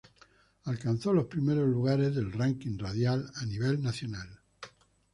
Alcanzó los primeros lugares del ranking radial a nivel nacional.